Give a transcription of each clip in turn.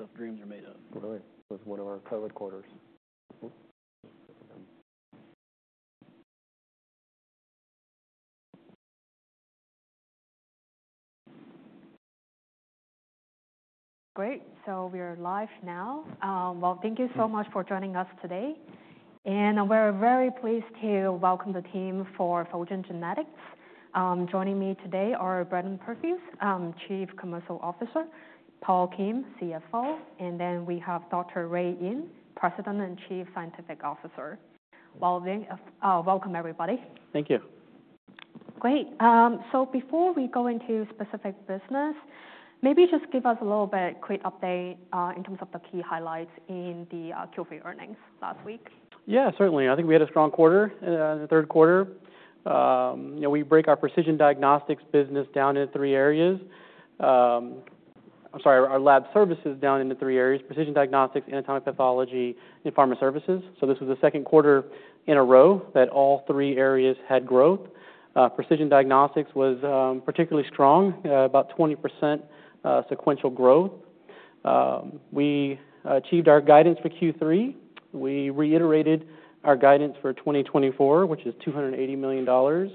Like stuff dreams are made of. Really? It was one of our pilot quarters. Great. So we are live now. Well, thank you so much for joining us today. And we're very pleased to welcome the team for Fulgent Genetics. Joining me today are Brandon Perthuis, Chief Commercial Officer, Paul Kim, CFO, and then we have Dr. Ray Yin, President and Chief Scientific Officer. Well, welcome everybody. Thank you. Great. So before we go into specific business, maybe just give us a little bit quick update, in terms of the key highlights in the Q3 earnings last week. Yeah, certainly. I think we had a strong quarter, the third quarter. You know, we break our precision diagnostics business down into three areas. I'm sorry, our lab services down into three areas: precision diagnostics, anatomic pathology, and pharma services. So this was the second quarter in a row that all three areas had growth. Precision diagnostics was particularly strong, about 20% sequential growth. We achieved our guidance for Q3. We reiterated our guidance for 2024, which is $280 million.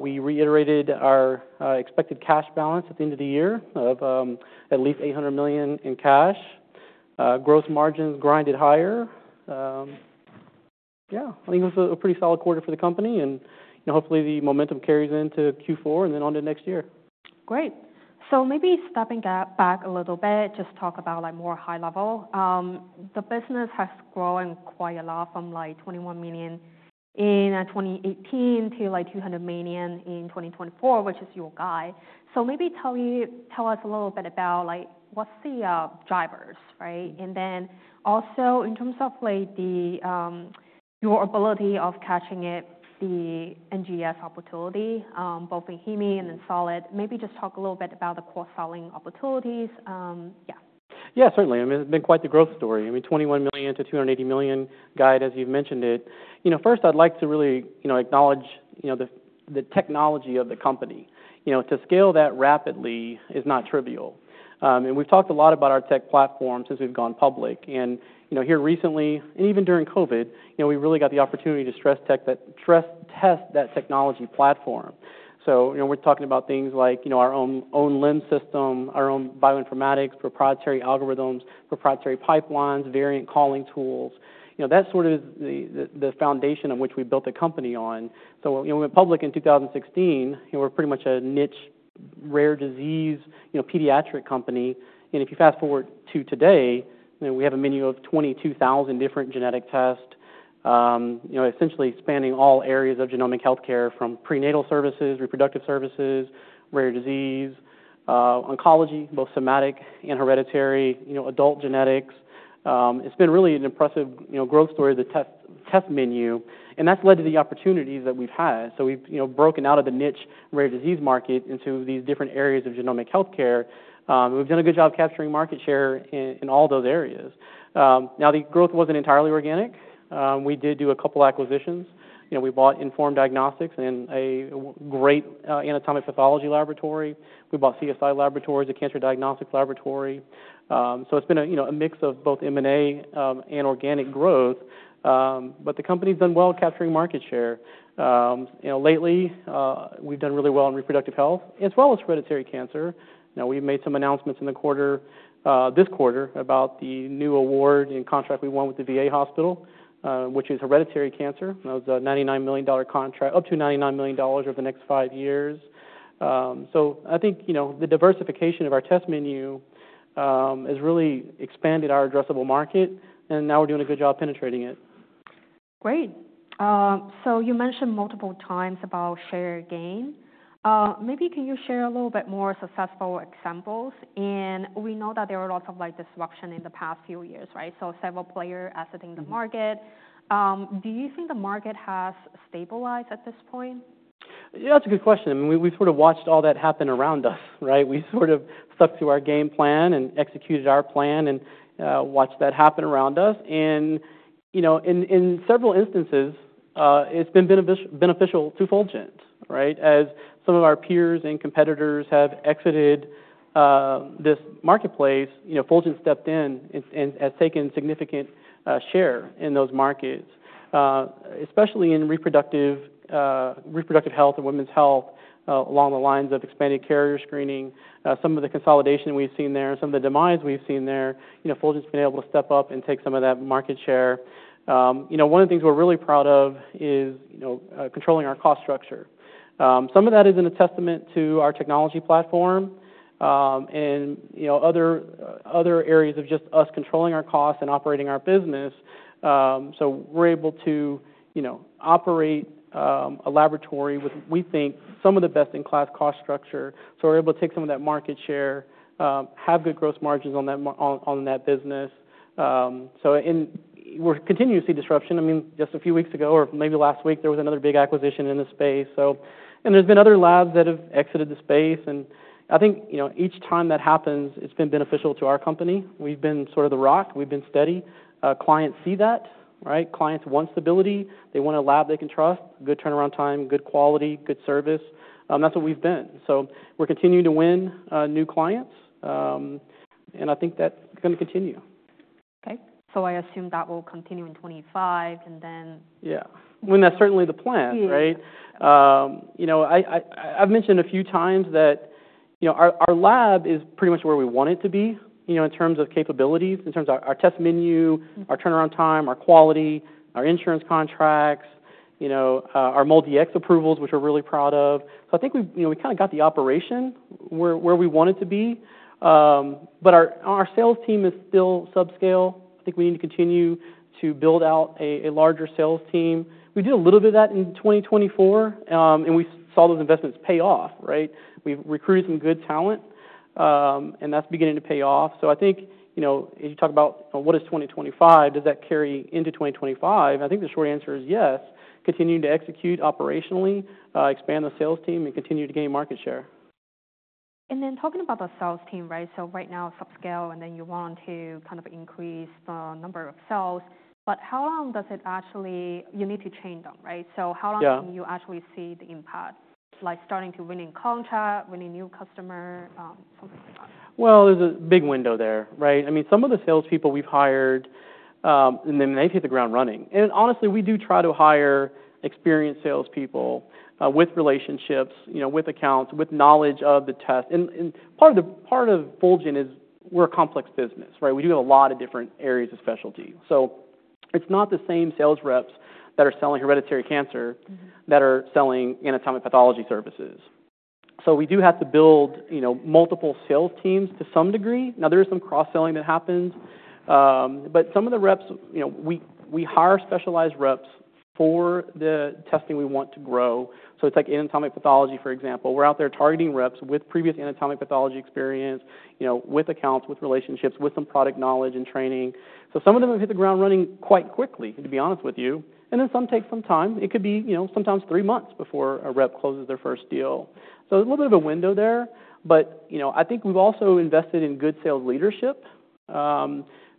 We reiterated our expected cash balance at the end of the year of at least $800 million in cash. Gross margins grinded higher. Yeah, I think it was a pretty solid quarter for the company, and you know, hopefully the momentum carries into Q4 and then on to next year. Great. So maybe stepping back a little bit, just talk about, like, more high level. The business has grown quite a lot from, like, $21 million in 2018 to, like, $200 million in 2024, which is your guide. So maybe tell us a little bit about, like, what's the drivers, right? And then also in terms of, like, the your ability of catching it, the NGS opportunity, both in Heme and in Solid. Maybe just talk a little bit about the core selling opportunities. Yeah. Yeah, certainly. I mean, it's been quite the growth story. I mean, $21 million-$280 million guide, as you've mentioned it. You know, first, I'd like to really, you know, acknowledge, you know, the technology of the company. You know, to scale that rapidly is not trivial, and we've talked a lot about our tech platform since we've gone public. And, you know, here recently, and even during COVID, you know, we really got the opportunity to stress test that technology platform. So, you know, we're talking about things like, you know, our own LIMS, our own bioinformatics, proprietary algorithms, proprietary pipelines, variant calling tools. You know, that sort of is the foundation on which we built the company on. So, you know, when we went public in 2016, you know, we're pretty much a niche, rare disease, you know, pediatric company. And if you fast forward to today, you know, we have a menu of 22,000 different genetic tests, you know, essentially spanning all areas of genomic healthcare from prenatal services, reproductive services, rare disease, oncology, both somatic and hereditary, you know, adult genetics. It's been really an impressive, you know, growth story, the test menu. And that's led to the opportunities that we've had. So we've, you know, broken out of the niche rare disease market into these different areas of genomic healthcare. We've done a good job capturing market share in all those areas. Now, the growth wasn't entirely organic. We did do a couple acquisitions. You know, we bought Inform Diagnostics and a great anatomic pathology laboratory. We bought CSI Laboratories, a cancer diagnostics laboratory, so it's been a, you know, a mix of both M&A, and organic growth, but the company's done well capturing market share. You know, lately, we've done really well in reproductive health as well as hereditary cancer. You know, we've made some announcements in the quarter, this quarter about the new award and contract we won with the VA Hospital, which is hereditary cancer. That was a $99 million contract, up to $99 million over the next five years, so I think, you know, the diversification of our test menu, has really expanded our addressable market, and now we're doing a good job penetrating it. Great. So you mentioned multiple times about share gain. Maybe can you share a little bit more successful examples? And we know that there are lots of, like, disruption in the past few years, right? So several players exited in the market. Do you think the market has stabilized at this point? Yeah, that's a good question. I mean, we sort of watched all that happen around us, right? We sort of stuck to our game plan and executed our plan and watched that happen around us, and you know, in several instances, it's been beneficial to Fulgent, right? As some of our peers and competitors have exited this marketplace, you know, Fulgent stepped in and has taken significant share in those markets, especially in reproductive health and women's health, along the lines of expanded carrier screening. Some of the consolidation we've seen there and some of the demise we've seen there, you know, Fulgent's been able to step up and take some of that market share. You know, one of the things we're really proud of is, you know, controlling our cost structure. Some of that is a testament to our technology platform, and, you know, other areas of just us controlling our costs and operating our business. So we're able to, you know, operate a laboratory with, we think, some of the best in class cost structure. So we're able to take some of that market share, have good gross margins on that business. So we're in continuous disruption. I mean, just a few weeks ago, or maybe last week, there was another big acquisition in the space. So and there's been other labs that have exited the space. And I think, you know, each time that happens, it's been beneficial to our company. We've been sort of the rock. We've been steady. Clients see that, right? Clients want stability. They want a lab they can trust, good turnaround time, good quality, good service. That's what we've been. So we're continuing to win new clients, and I think that's gonna continue. Okay. So I assume that will continue in 2025 and then. Yeah. When that's certainly the plan, right? Yeah. You know, I’ve mentioned a few times that, you know, our lab is pretty much where we want it to be, you know, in terms of capabilities, in terms of our test menu, our turnaround time, our quality, our insurance contracts, you know, our MolDX approvals, which we’re really proud of. So I think, you know, we kinda got the operation where we want it to be. But our sales team is still subscale. I think we need to continue to build out a larger sales team. We did a little bit of that in 2024, and we saw those investments pay off, right? We’ve recruited some good talent, and that’s beginning to pay off. So I think, you know, as you talk about, you know, what is 2025, does that carry into 2025? I think the short answer is yes. Continuing to execute operationally, expand the sales team, and continue to gain market share. And then talking about the sales team, right? So right now, subscale, and then you want to kind of increase the number of sales. But how long does it actually you need to train them, right? So how long. Yeah. Can you actually see the impact? Like, starting to winning contract, winning new customer, something like that? There's a big window there, right? I mean, some of the salespeople we've hired, and then they hit the ground running. And honestly, we do try to hire experienced salespeople, with relationships, you know, with accounts, with knowledge of the test. And part of Fulgent is we're a complex business, right? We do have a lot of different areas of specialty. So it's not the same sales reps that are selling hereditary cancer that are selling anatomic pathology services. So we do have to build, you know, multiple sales teams to some degree. Now, there is some cross-selling that happens. But some of the reps, you know, we hire specialized reps for the testing we want to grow. So it's like anatomic pathology, for example. We're out there targeting reps with previous anatomic pathology experience, you know, with accounts, with relationships, with some product knowledge and training, so some of them have hit the ground running quite quickly, to be honest with you, and then some take some time. It could be, you know, sometimes three months before a rep closes their first deal, so a little bit of a window there, but, you know, I think we've also invested in good sales leadership.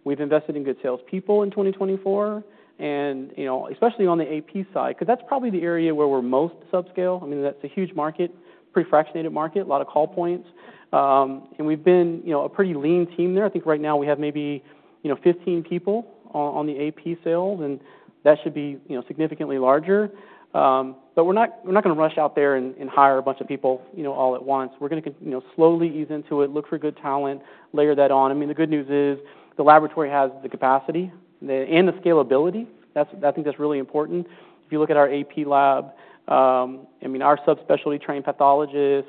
We've invested in good salespeople in 2024, and, you know, especially on the AP side, 'cause that's probably the area where we're most subscale. I mean, that's a huge market, pretty fractionated market, a lot of call points, and we've been, you know, a pretty lean team there. I think right now we have maybe, you know, 15 people on the AP sales, and that should be, you know, significantly larger, but we're not gonna rush out there and hire a bunch of people, you know, all at once. We're gonna, you know, slowly ease into it, look for good talent, layer that on. I mean, the good news is the laboratory has the capacity and the scalability. That's, I think, really important. If you look at our AP lab, I mean, our subspecialty trained pathologist,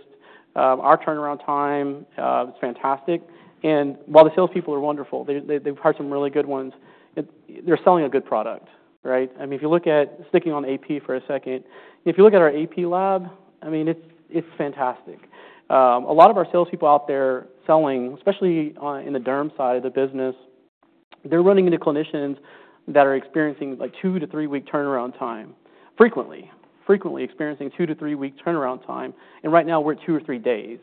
our turnaround time, is fantastic. While the salespeople are wonderful, they, they've hired some really good ones. They're selling a good product, right? I mean, if you look at sticking on the AP for a second, if you look at our AP lab, I mean, it's fantastic. A lot of our salespeople out there selling, especially on the derm side of the business, they're running into clinicians that are experiencing like two- to three-week turnaround time, frequently, frequently experiencing two- to three-week turnaround time. And right now we're at two or three days,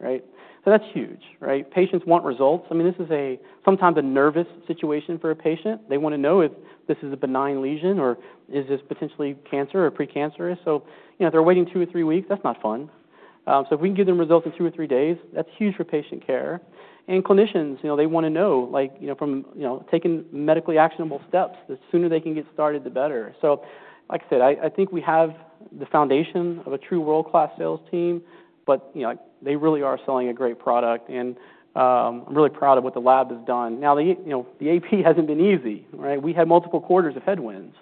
right? So that's huge, right? Patients want results. I mean, this is sometimes a nervous situation for a patient. They wanna know if this is a benign lesion or is this potentially cancer or precancerous. So, you know, if they're waiting two or three weeks, that's not fun. So if we can give them results in two or three days, that's huge for patient care. And clinicians, you know, they wanna know, like, you know, from, you know, taking medically actionable steps, the sooner they can get started, the better. Like I said, I think we have the foundation of a true world-class sales team, but you know, they really are selling a great product. And I'm really proud of what the lab has done. Now, you know, the AP hasn't been easy, right? We had multiple quarters of headwinds.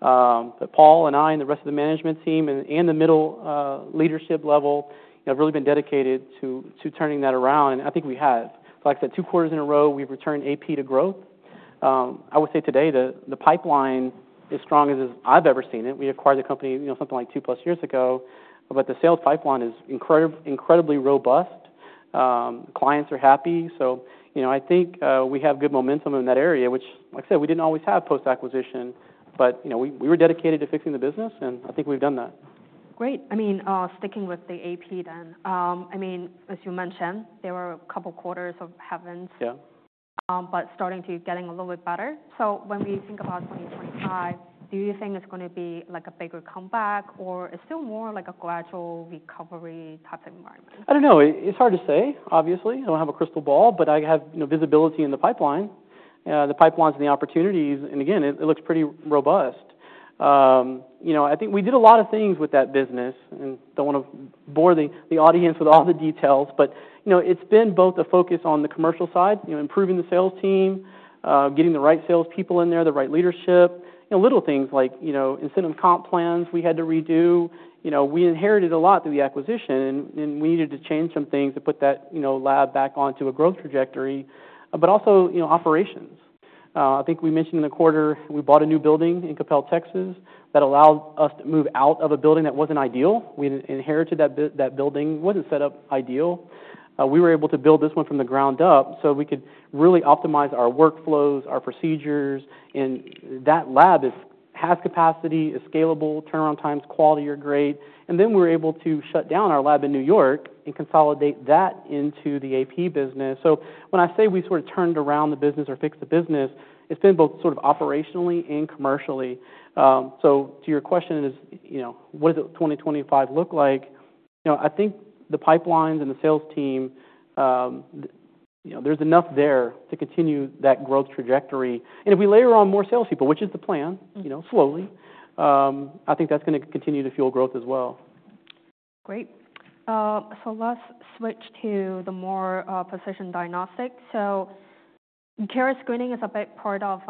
But Paul and I and the rest of the management team and the middle leadership level, you know, have really been dedicated to turning that around. And I think we have. Like I said, two quarters in a row, we've returned AP to growth. I would say today the pipeline is strong as I've ever seen it. We acquired the company, you know, something like two-plus years ago, but the sales pipeline is incredibly robust. Clients are happy. So, you know, I think we have good momentum in that area, which, like I said, we didn't always have post-acquisition, but, you know, we were dedicated to fixing the business, and I think we've done that. Great. I mean, sticking with the AP then, I mean, as you mentioned, there were a couple quarters of headwinds. Yeah. But starting to get a little bit better. So when we think about 2025, do you think it's gonna be like a bigger comeback, or it's still more like a gradual recovery type of environment? I don't know. It's hard to say, obviously. I don't have a crystal ball, but I have, you know, visibility in the pipeline, the pipelines and the opportunities, and again, it looks pretty robust. You know, I think we did a lot of things with that business, and don't wanna bore the audience with all the details, but, you know, it's been both a focus on the commercial side, you know, improving the sales team, getting the right salespeople in there, the right leadership, you know, little things like, you know, incentive comp plans we had to redo. You know, we inherited a lot through the acquisition, and we needed to change some things to put that, you know, lab back onto a growth trajectory, but also, you know, operations. I think we mentioned in the quarter, we bought a new building in Coppell, Texas, that allowed us to move out of a building that wasn't ideal. We inherited that building. It wasn't set up ideal. We were able to build this one from the ground up so we could really optimize our workflows, our procedures, and that lab has capacity, is scalable, turnaround times, quality are great. Then we were able to shut down our lab in New York and consolidate that into the AP business. So when I say we sort of turned around the business or fixed the business, it's been both sort of operationally and commercially. So to your question is, you know, what does 2025 look like? You know, I think the pipelines and the sales team, you know, there's enough there to continue that growth trajectory. If we layer on more salespeople, which is the plan, you know, slowly, I think that's gonna continue to fuel growth as well. Great. So let's switch to the more precision diagnostic. So carrier screening is a big part of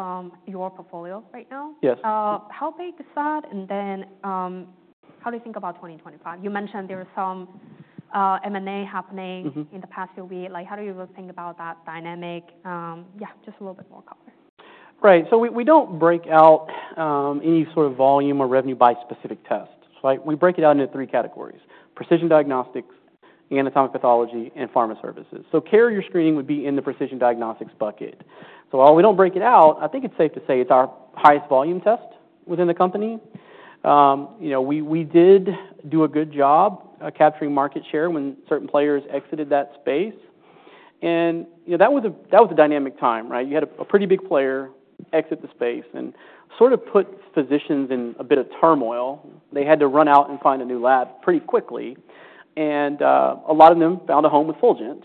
your portfolio right now. Yes. How big is that? And then, how do you think about 2025? You mentioned there was some, M&A happening. Mm-hmm. In the past few weeks. Like, how do you think about that dynamic? Yeah, just a little bit more color. Right. So we don't break out any sort of volume or revenue by specific tests, right? We break it out into three categories: precision diagnostics, anatomic pathology, and pharma services. So carrier screening would be in the precision diagnostics bucket. So while we don't break it out, I think it's safe to say it's our highest volume test within the company. You know, we did do a good job capturing market share when certain players exited that space. You know, that was a dynamic time, right? You had a pretty big player exit the space and sort of put physicians in a bit of turmoil. They had to run out and find a new lab pretty quickly. And a lot of them found a home with Fulgent,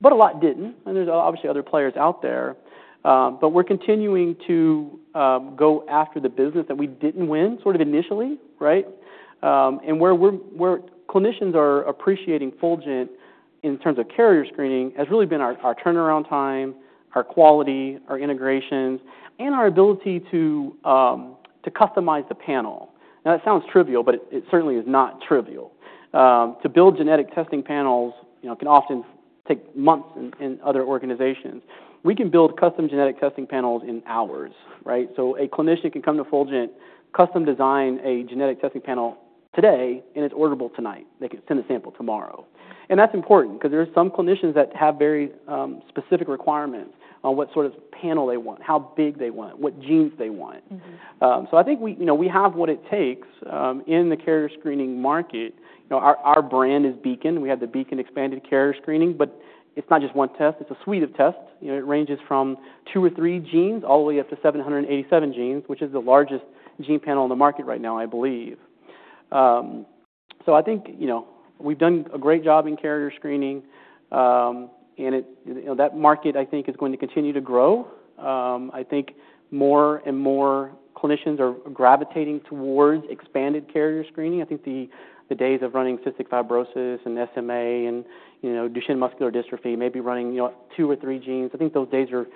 but a lot didn't. And there's obviously other players out there. But we're continuing to go after the business that we didn't win sort of initially, right? And clinicians are appreciating Fulgent in terms of carrier screening has really been our turnaround time, our quality, our integrations, and our ability to customize the panel. Now, that sounds trivial, but it certainly is not trivial. To build genetic testing panels, you know, can often take months in other organizations. We can build custom genetic testing panels in hours, right? So a clinician can come to Fulgent, custom design a genetic testing panel today, and it's orderable tonight. They can send a sample tomorrow. And that's important 'cause there are some clinicians that have very specific requirements on what sort of panel they want, how big they want, what genes they want. Mm-hmm. So I think we, you know, we have what it takes in the carrier screening market. You know, our, our brand is Beacon. We have the Beacon Expanded Carrier Screening, but it's not just one test. It's a suite of tests. You know, it ranges from two or three genes all the way up to 787 genes, which is the largest gene panel on the market right now, I believe. So I think, you know, we've done a great job in carrier screening. And it, you know, that market, I think, is going to continue to grow. I think more and more clinicians are gravitating towards expanded carrier screening. I think the days of running cystic fibrosis and SMA and, you know, Duchenne muscular dystrophy may be running, you know, two or three genes. I think those days are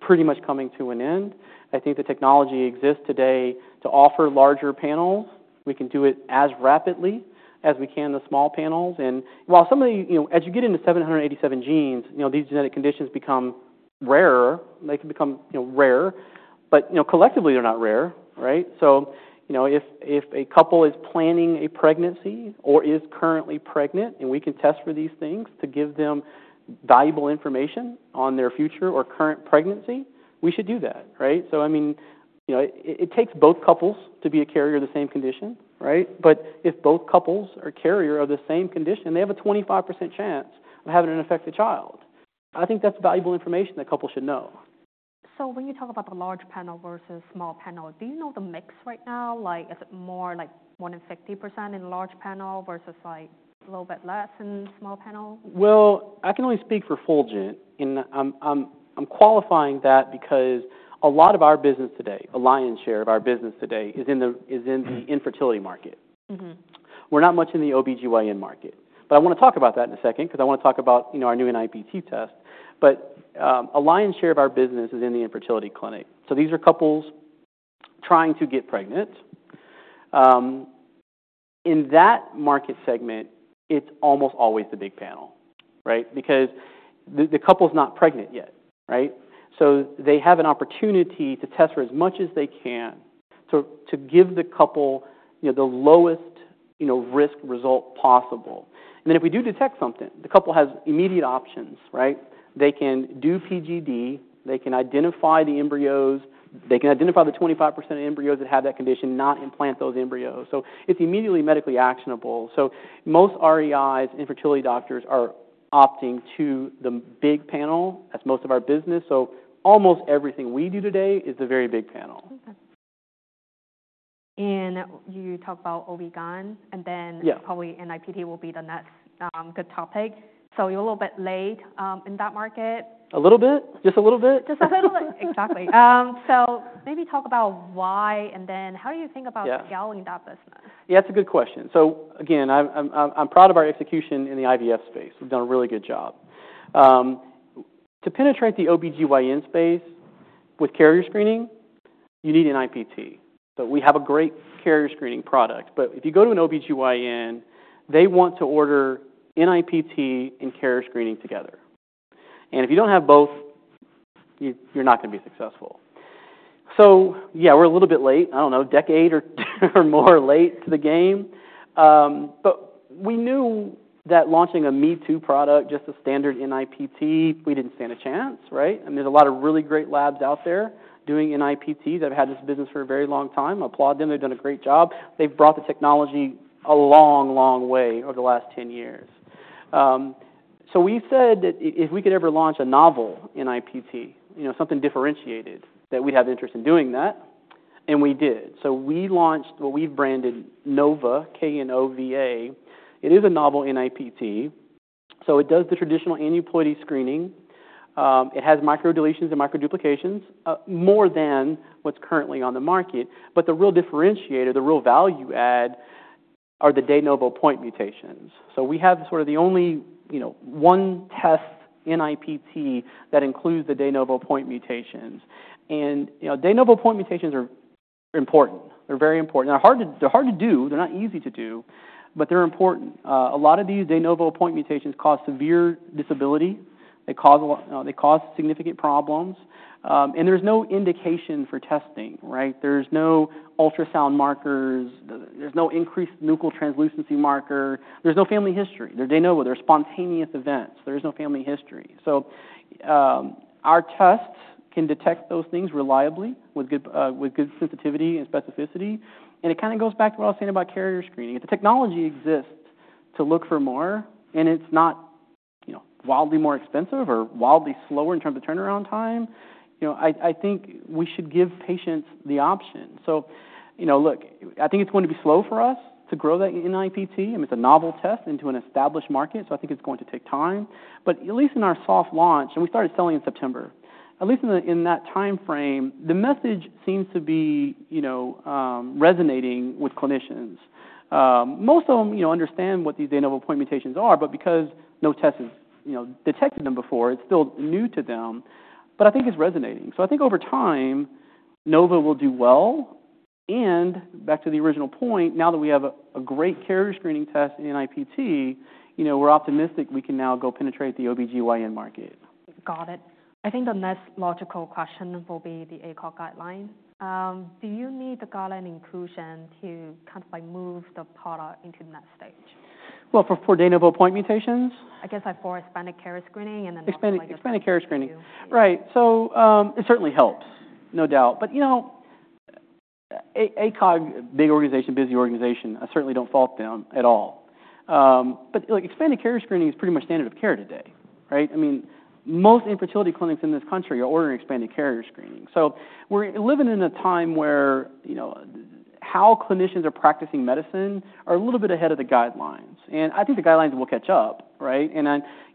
pretty much coming to an end. I think the technology exists today to offer larger panels. We can do it as rapidly as we can the small panels, and while some of the, you know, as you get into 787 genes, you know, these genetic conditions become rarer. They can become, you know, rare, but, you know, collectively, they're not rare, right? So you know, if a couple is planning a pregnancy or is currently pregnant and we can test for these things to give them valuable information on their future or current pregnancy, we should do that, right, so I mean, you know, it takes both couples to be a carrier of the same condition, right? But if both couples are carrier of the same condition, they have a 25% chance of having an affected child. I think that's valuable information that couples should know. When you talk about the large panel versus small panel, do you know the mix right now? Like, is it more than 50% in large panel versus like a little bit less in small panel? I can only speak for Fulgent, and I'm qualifying that because a lot of our business today, a lion's share of our business today is in the infertility market. Mm-hmm. We're not much in the, but I wanna talk about that in a second 'cause I wanna talk about, you know, our new NIPT test, but a lion's share of our business is in the infertility clinic, so these are couples trying to get pregnant. In that market segment, it's almost always the big panel, right? Because the couple's not pregnant yet, right, so they have an opportunity to test for as much as they can to give the couple, you know, the lowest, you know, risk result possible, and then if we do detect something, the couple has immediate options, right? They can do PGD. They can identify the embryos. They can identify the 25% of embryos that have that condition, not implant those embryos, so it's immediately medically actionable, so most REIs, infertility doctors, are opting to the big panel. That's most of our business. So almost everything we do today is the very big panel. You talk about, and then. Yeah. Probably NIPT will be the next, good topic. So you're a little bit late, in that market. A little bit. Just a little bit. Just a little bit. Exactly. So maybe talk about why and then how do you think about scaling that business? Yeah. Yeah, that's a good question. So again, I'm proud of our execution in the IVF space. We've done a really good job to penetrate the OB/GYN space with carrier screening, you need NIPT. So we have a great carrier screening product. But if you go to an OB/GYN, they want to order NIPT and carrier screening together. And if you don't have both, you're not gonna be successful. So yeah, we're a little bit late. I don't know, decade or more late to the game. But we knew that launching a Me Too product, just a standard NIPT, we didn't stand a chance, right? I mean, there's a lot of really great labs out there doing NIPT that have had this business for a very long time. I applaud them. They've done a great job. They've brought the technology a long, long way over the last 10 years. So we said that if we could ever launch a novel NIPT, you know, something differentiated, that we'd have interest in doing that. And we did. So we launched what we've branded KNOVA. It is a novel NIPT. So it does the traditional aneuploidy screening. It has microdeletions and microduplications, more than what's currently on the market. But the real differentiator, the real value add, are the de novo point mutations. So we have sort of the only, you know, one test NIPT that includes the de novo point mutations. And, you know, de novo point mutations are important. They're very important. They're hard to do. They're not easy to do, but they're important. A lot of these de novo point mutations cause severe disability. They cause a lot, you know. They cause significant problems, and there's no indication for testing, right? There's no ultrasound markers. There's no increased nuchal translucency marker. There's no family history. They're de novo. They're spontaneous events. There is no family history, so our tests can detect those things reliably with good sensitivity and specificity, and it kinda goes back to what I was saying about carrier screening. If the technology exists to look for more and it's not, you know, wildly more expensive or wildly slower in terms of turnaround time, you know, I think we should give patients the option, so you know, look, I think it's going to be slow for us to grow that NIPT. I mean, it's a novel test into an established market, so I think it's going to take time. But at least in our soft launch and we started selling in September, at least in that timeframe, the message seems to be, you know, resonating with clinicians. Most of them, you know, understand what these de novo point mutations are, but because no test has, you know, detected them before, it's still new to them. But I think it's resonating. So I think over time, KNOVA will do well. And back to the original point, now that we have a great carrier screening test in NIPT, you know, we're optimistic we can now go penetrate the OB/GYN market. Got it. I think the next logical question will be the ACOG guideline. Do you need the guideline inclusion to kind of like move the product into the next stage? For de novo point mutations? I guess like for Expanded Carrier Screening and then like. Expanded carrier screening. Right. So, it certainly helps, no doubt. But you know, ACOG, big organization, busy organization. I certainly don't fault them at all. But like, expanded carrier screening is pretty much standard of care today, right? I mean, most infertility clinics in this country are ordering expanded carrier screening. So we're living in a time where, you know, how clinicians are practicing medicine are a little bit ahead of the guidelines. And I,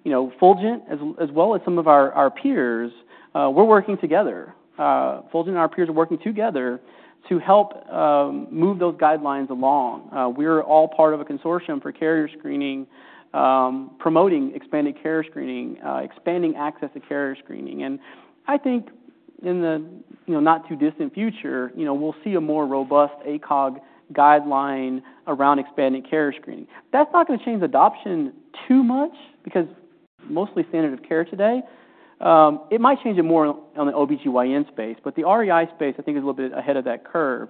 you know, Fulgent, as well as some of our peers, we're working together. Fulgent and our peers are working together to help move those guidelines along. We're all part of a consortium for carrier screening, promoting expanded carrier screening, expanding access to carrier screening. I think in the, you know, not too distant future, you know, we'll see a more robust ACOG guideline around expanded carrier screening. That's not gonna change adoption too much because mostly standard of care today. It might change it more on the OB/GYN space, but the REI space, I think, is a little bit ahead of that curve.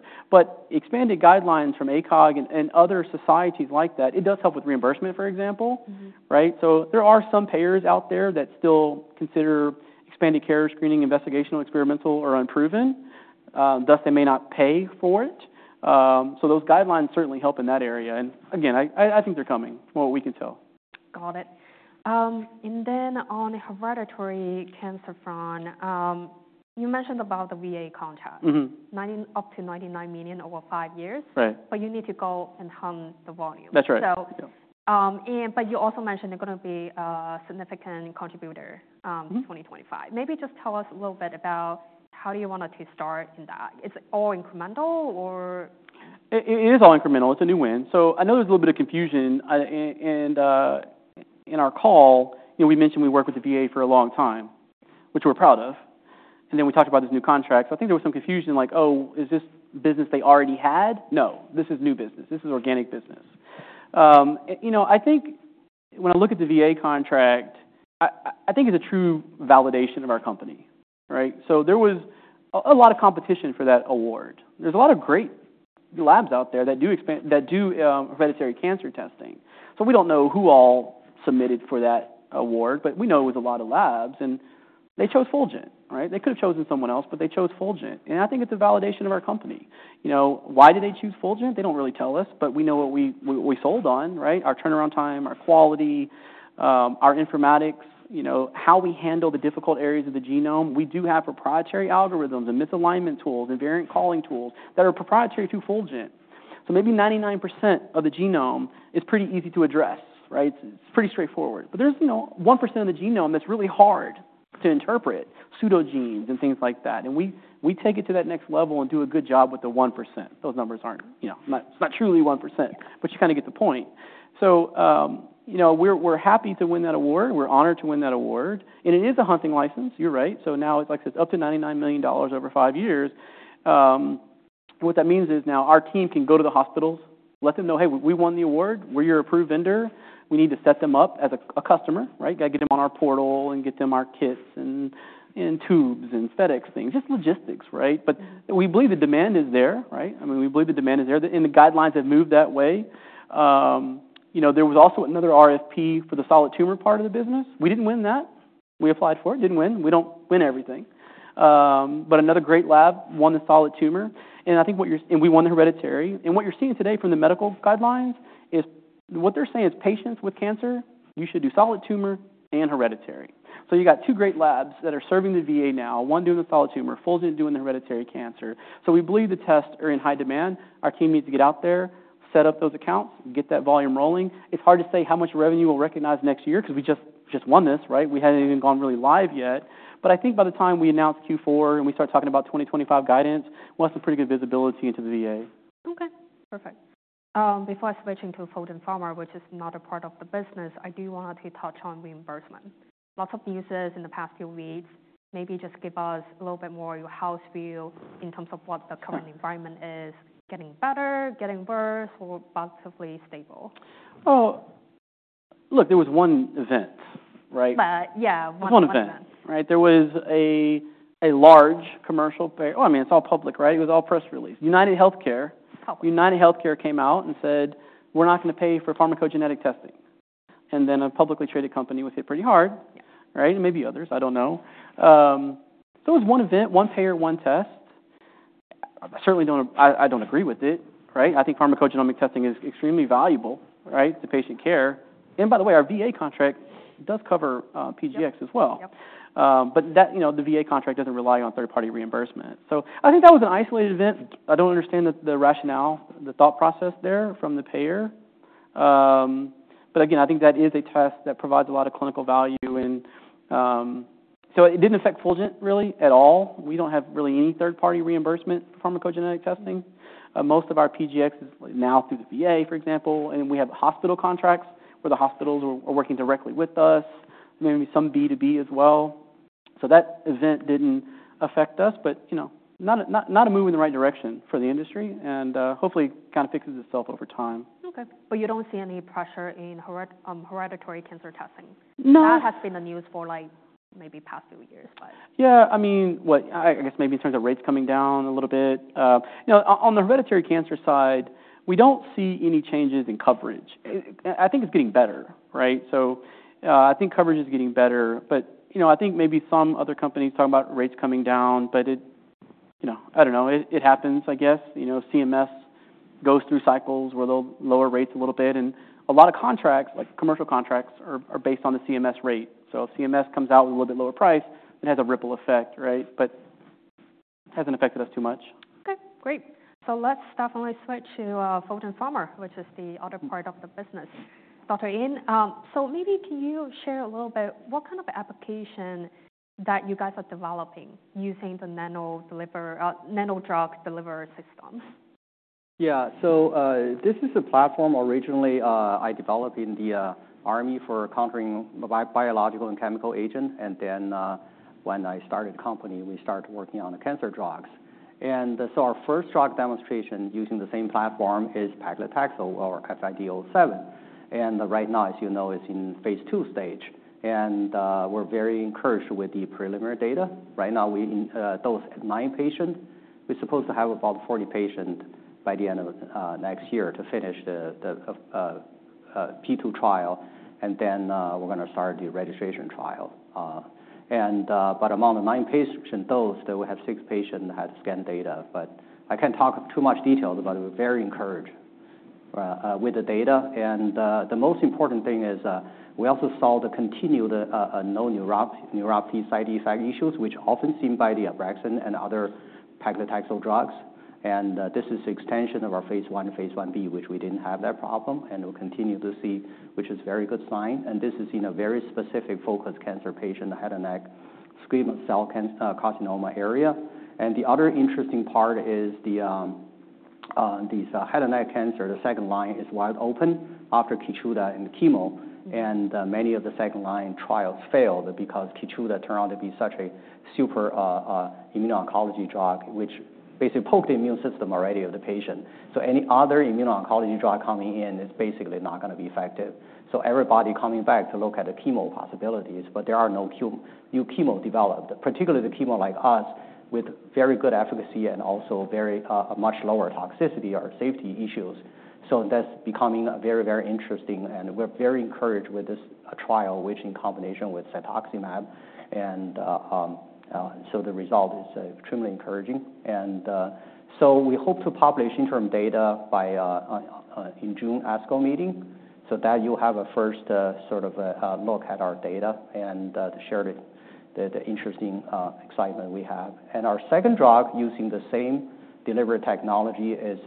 Expanded guidelines from ACOG and other societies like that, it does help with reimbursement, for example, right? There are some payers out there that still consider expanded carrier screening investigational, experimental, or unproven. Thus, they may not pay for it. Those guidelines certainly help in that area. Again, I think they're coming from what we can tell. Got it. And then on hereditary cancer front, you mentioned about the VA contract. Mm-hmm. $90 million-$99 million over five years. Right. But you need to go and hunt the volume. That's right. Yeah. You also mentioned they're gonna be a significant contributor in 2025. Mm-hmm. Maybe just tell us a little bit about how do you want it to start in that? Is it all incremental or? It is all incremental. It's a new win. So I know there's a little bit of confusion. And in our call, you know, we mentioned we work with the VA for a long time, which we're proud of. And then we talked about this new contract. So I think there was some confusion like, oh, is this business they already had? No, this is new business. This is organic business. And you know, I think when I look at the VA contract, I think it's a true validation of our company, right? So there was a lot of competition for that award. There's a lot of great labs out there that do expanded hereditary cancer testing. So we don't know who all submitted for that award, but we know it was a lot of labs, and they chose Fulgent, right? They could have chosen someone else, but they chose Fulgent. And I think it's a validation of our company. You know, why did they choose Fulgent? They don't really tell us, but we know what we sold on, right? Our turnaround time, our quality, our informatics, you know, how we handle the difficult areas of the genome. We do have proprietary algorithms and misalignment tools and variant calling tools that are proprietary to Fulgent. So maybe 99% of the genome is pretty easy to address, right? It's pretty straightforward. But there's, you know, 1% of the genome that's really hard to interpret, pseudogenes and things like that. And we take it to that next level and do a good job with the 1%. Those numbers aren't, you know, it's not truly 1%, but you kinda get the point. So, you know, we're happy to win that award. We're honored to win that award. And it is a hunting license. You're right. So now it's, like I said, up to $99 million over five years. What that means is now our team can go to the hospitals, let them know, hey, we won the award. We're your approved vendor. We need to set them up as a customer, right? Gotta get them on our portal and get them our kits and tubes and FedEx things, just logistics, right? But we believe the demand is there, right? I mean, we believe the demand is there. And the guidelines have moved that way. You know, there was also another RFP for the solid tumor part of the business. We didn't win that. We applied for it. Didn't win. We don't win everything. But another great lab won the solid tumor. And I think what you're seeing and we won the hereditary. And what you're seeing today from the medical guidelines is what they're saying is patients with cancer, you should do solid tumor and hereditary. So you got two great labs that are serving the VA now, one doing the solid tumor, Fulgent doing the hereditary cancer. So we believe the tests are in high demand. Our team needs to get out there, set up those accounts, get that volume rolling. It's hard to say how much revenue we'll recognize next year 'cause we just won this, right? We hadn't even gone really live yet. But I think by the time we announce Q4 and we start talking about 2025 guidance, we'll have some pretty good visibility into the VA. Okay. Perfect. Before I switch into Fulgent Pharma, which is not a part of the business, I do wanna touch on reimbursement. Lots of news in the past few weeks. Maybe just give us a little bit more of your house view in terms of what the current environment is, getting better, getting worse, or relatively stable. Look, there was one event, right? But yeah, one event. Just one event, right? There was a large commercial payor, I mean, it's all public, right? It was all press release. UnitedHealthcare. Public. UnitedHealthcare came out and said, "We're not gonna pay for pharmacogenetic testing." And then a publicly traded company was hit pretty hard, right? And maybe others. I don't know. So it was one event, one payer, one test. I certainly don't, I don't agree with it, right? I think pharmacogenomic testing is extremely valuable, right, to patient care. And by the way, our VA contract does cover PGx as well. Yep. But that, you know, the VA contract doesn't rely on third-party reimbursement. So I think that was an isolated event. I don't understand the rationale, the thought process there from the payer. But again, I think that is a test that provides a lot of clinical value. And so it didn't affect Fulgent really at all. We don't have really any third-party reimbursement for pharmacogenetic testing. Most of our PGx is now through the VA, for example. And we have hospital contracts where the hospitals are working directly with us. Maybe some B2B as well. So that event didn't affect us, but you know, not a move in the right direction for the industry. And hopefully kinda fixes itself over time. Okay. But you don't see any pressure in hereditary cancer testing? No. That has been the news for like maybe past few years, but. Yeah. I mean, I guess maybe in terms of rates coming down a little bit. You know, on the hereditary cancer side, we don't see any changes in coverage. I think it's getting better, right? So, I think coverage is getting better. But, you know, I think maybe some other companies talking about rates coming down, but you know, I don't know. It happens, I guess. You know, CMS goes through cycles where they'll lower rates a little bit, and a lot of contracts, like commercial contracts, are based on the CMS rate. So if CMS comes out with a little bit lower price, it has a ripple effect, right? But it hasn't affected us too much. Okay. Great. So let's definitely switch to Fulgent Pharma, which is the other part of the business. Dr. Yin, so maybe can you share a little bit what kind of application that you guys are developing using the nano delivery nano drug delivery systems? Yeah. So this is a platform originally I developed in the Army for countering biological and chemical agents, and then when I started the company, we started working on the cancer drugs, and so our first drug demonstration using the same platform is paclitaxel or FID-007. And right now, as you know, it's in phase II stage, and we're very encouraged with the preliminary data. Right now we in those nine patients, we're supposed to have about 40 patients by the end of next year to finish the phase II trial, and then we're gonna start the registration trial, but among the nine patients, those that we have six patients that had scan data. But I can't talk too much details, but we're very encouraged with the data. The most important thing is, we also saw the continued no neuropathy side effect issues, which is often seen with Abraxane and other paclitaxel drugs. This is an extension of our phase I and phase I-B, which we didn't have that problem. We'll continue to see, which is a very good sign. This is in a very specific focused cancer patient, the head and neck squamous cell carcinoma area. The other interesting part is these head and neck cancer, the second line is wide open after Keytruda and chemo. Many of the second line trials failed because Keytruda turned out to be such a super immuno-oncology drug, which basically poked the immune system already of the patient. Any other immuno-oncology drug coming in is basically not gonna be effective. So everybody coming back to look at the chemo possibilities, but there are no new chemo developed, particularly the chemo like ours with very good efficacy and also very much lower toxicity or safety issues. So that's becoming a very, very interesting. And we're very encouraged with this trial, which in combination with cetuximab and so the result is extremely encouraging. And so we hope to publish interim data by the June ASCO meeting so that you'll have a first sort of look at our data and to share the interesting excitement we have. And our second drug using the same delivery technology is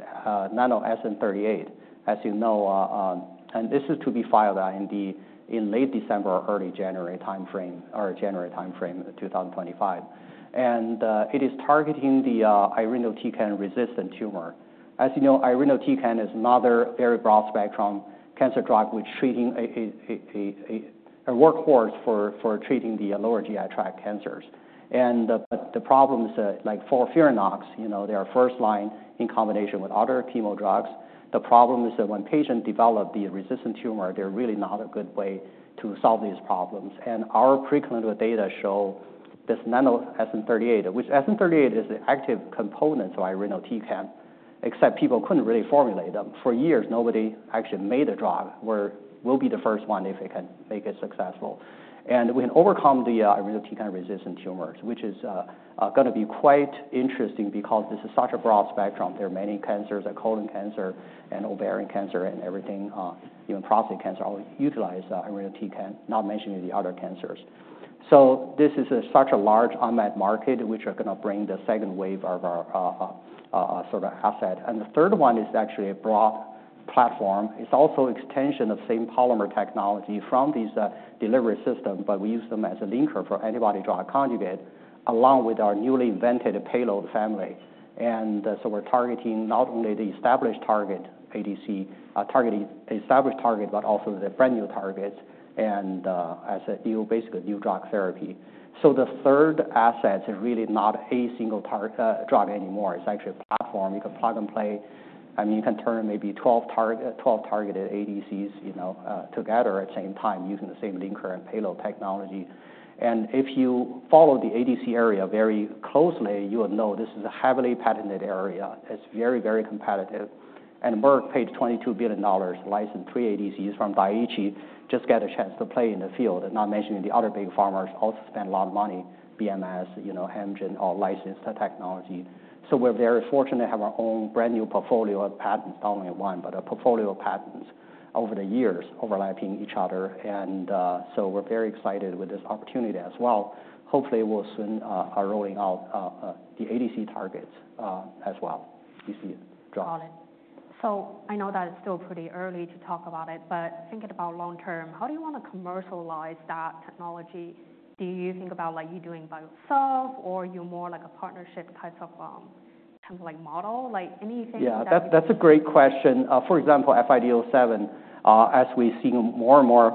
Nano SN-38. As you know, and this is to be filed IND in late December, early January timeframe or January timeframe of 2025. And it is targeting the irinotecan resistant tumor. As you know, irinotecan is another very broad spectrum cancer drug, which is a workhorse for treating the lower GI tract cancers. But the problem is, like for FOLFIRINOX, you know, they are first line in combination with other chemo drugs. The problem is that when patients develop the resistant tumor, there's really not a good way to solve these problems. And our preclinical data show this nano-SN-38, which SN-38 is an active component of irinotecan, except people couldn't really formulate them. For years, nobody actually made a drug. We'll be the first one if it can make it successful. And we can overcome the irinotecan resistant tumors, which is gonna be quite interesting because this is such a broad spectrum. There are many cancers, colon cancer and ovarian cancer and everything, even prostate cancer, that all utilize irinotecan, not mentioning the other cancers. So this is such a large unmet market, which are gonna bring the second wave of our, sort of asset. And the third one is actually a broad platform. It's also extension of same polymer technology from these delivery system, but we use them as a linker for antibody-drug conjugate along with our newly invented payload family. And so we're targeting not only the established target ADC, target established target, but also the brand new targets and as a new, basically new drug therapy. So the third asset is really not a single target, drug anymore. It's actually a platform. You can plug and play. I mean, you can turn maybe 12 target, 12 targeted ADCs, you know, together at the same time using the same linker and payload technology, and if you follow the ADC area very closely, you will know this is a heavily patented area. It's very, very competitive, and Merck paid $22 billion, licensed three ADCs from Daiichi. Just got a chance to play in the field, not mentioning the other big pharmas also spent a lot of money, BMS, you know, Amgen, all licensed technology, so we're very fortunate to have our own brand new portfolio of patents, not only one, but a portfolio of patents over the years overlapping each other, and so we're very excited with this opportunity as well. Hopefully, we'll soon are rolling out the ADC targets as well. You see it. Got it. So I know that it's still pretty early to talk about it, but thinking about long term, how do you wanna commercialize that technology? Do you think about like you doing by yourself or you're more like a partnership type of, kind of like model, like anything? Yeah. That's a great question. For example, FID-007, as we see more and more,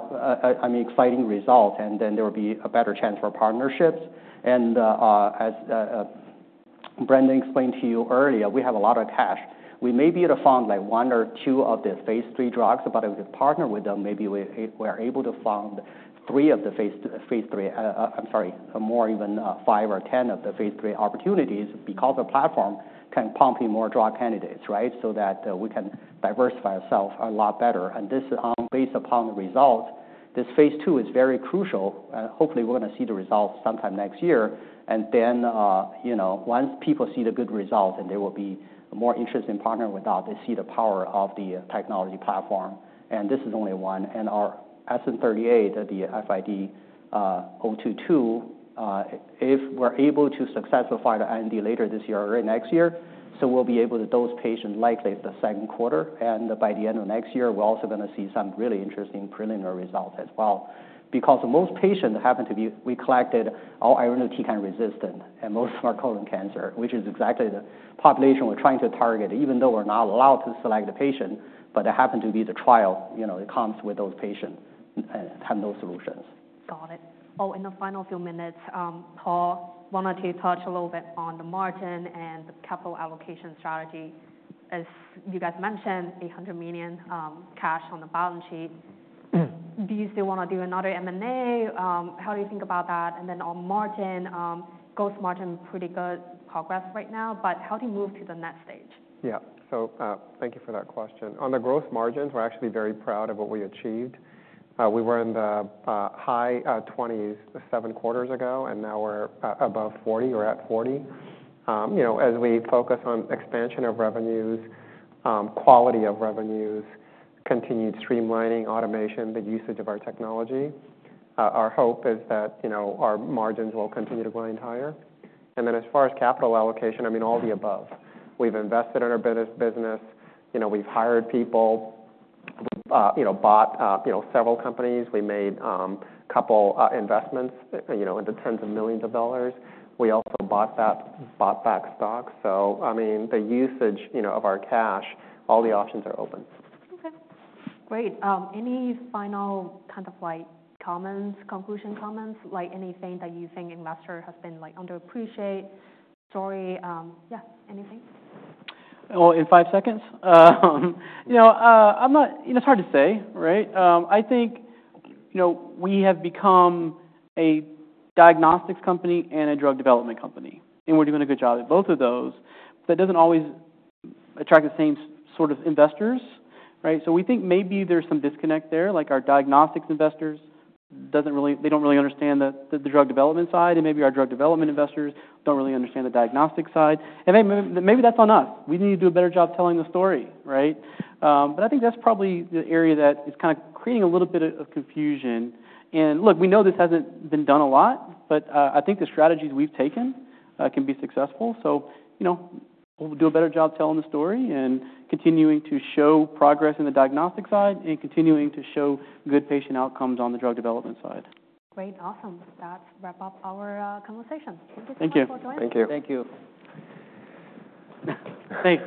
I mean, exciting results, and then there will be a better chance for partnerships. And, as Brandon explained to you earlier, we have a lot of cash. We may be able to fund like one or two of the phase III drugs, but if we partner with them, maybe we are able to fund three of the phase III, I'm sorry, more even, five or 10 of the phase III opportunities because the platform can pump in more drug candidates, right? So that, we can diversify ourselves a lot better. And this is based upon the results. This phase II is very crucial. Hopefully, we're gonna see the results sometime next year. And then, you know, once people see the good results and there will be more interest in partnering with us, they see the power of the technology platform. And this is only one. And our SN-38, the FID-022, if we're able to successfully find the IND later this year or next year, so we'll be able to dose patients likely the second quarter. And by the end of next year, we're also gonna see some really interesting preliminary results as well. Because most patients happen to be we collected all irinotecan resistant and most of our colon cancer, which is exactly the population we're trying to target, even though we're not allowed to select the patient, but it happened to be the trial, you know, it comes with those patients and have those solutions. Got it. Oh, in the final few minutes, Paul, wanted to touch a little bit on the margin and the capital allocation strategy. As you guys mentioned, $800 million cash on the balance sheet. Do you still wanna do another M&A? How do you think about that? And then on margin, gross margin pretty good progress right now, but how do you move to the next stage? Yeah. So, thank you for that question. On the gross margins, we're actually very proud of what we achieved. We were in the high 20s seven quarters ago, and now we're above 40 or at 40. You know, as we focus on expansion of revenues, quality of revenues, continued streamlining, automation, the usage of our technology, our hope is that, you know, our margins will continue to grind higher. And then as far as capital allocation, I mean, all the above. We've invested in our business. You know, we've hired people, you know, bought, you know, several companies. We made a couple investments, you know, into tens of millions of dollars. We also bought back stock. So, I mean, the usage, you know, of our cash, all the options are open. Okay. Great. Any final kind of like comments, conclusion comments, like anything that you think investors have underappreciated the story, yeah, anything? Well, in five seconds. You know, I'm not, you know, it's hard to say, right? I think, you know, we have become a diagnostics company and a drug development company. And we're doing a good job at both of those. But that doesn't always attract the same sort of investors, right? So we think maybe there's some disconnect there. Like our diagnostics investors doesn't really, they don't really understand the, the drug development side. And maybe our drug development investors don't really understand the diagnostic side. And maybe, maybe that's on us. We need to do a better job telling the story, right? But I think that's probably the area that is kinda creating a little bit of confusion. And look, we know this hasn't been done a lot, but I think the strategies we've taken can be successful. So, you know, we'll do a better job telling the story and continuing to show progress in the diagnostic side and continuing to show good patient outcomes on the drug development side. Great. Awesome. That wraps up our conversation. Thank you so much for joining us. Thank you. Thank you. Thanks.